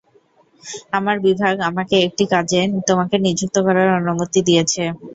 আমার বিভাগ আমাকে একটা কাজে তোমাকে নিযুক্ত করার অনুমতি দিয়েছে।